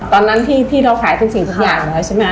ตอนนั้นที่เราขายเป็นสิ่งทุกอย่างแล้วใช่ไหมค